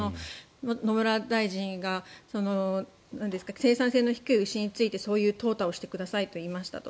野村大臣が生産性の低い牛についてそういうとう汰をしてくださいと言いましたと。